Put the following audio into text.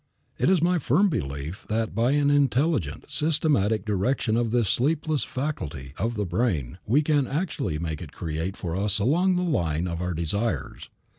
It is my firm belief that by an intelligent, systematic direction of this sleepless faculty of the brain we can actually make it create for us along the line of our desires.